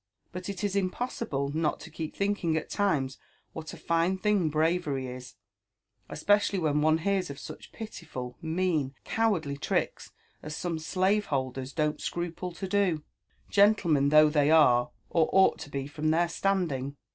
But it is impossible not to keep thinking at times what a fine thing bravery is« especially when one hears of such pitiful, mean, cowardly tricks as some slave holders don't scruple to do, gentlemen though thoy are, or ought to be from their standing.